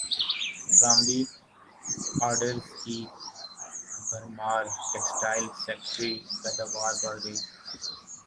برامدی orders کی بھرمار textile سیکٹرکی پیداوار بڑھ گئی